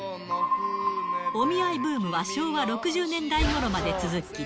お見合いブームは昭和６０年代ごろまで続き。